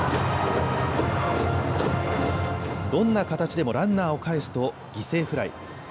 どんな形でもランナーをかえすと犠牲フライ。